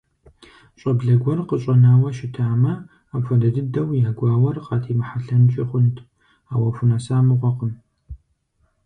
ЩӀэблэ гуэр къыщӀэнауэ щытамэ, апхуэдэ дыдэу я гуауэр къатемыхьэлъэнкӀи хъунт, ауэ хунэса мыгъуэкъым…